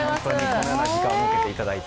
このような時間を設けていただいて。